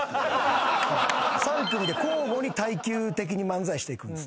３組で交互に耐久的に漫才していくんですって。